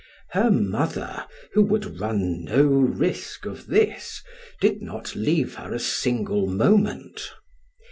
Her mother, who would run no risk of this, did not leave her a single moment.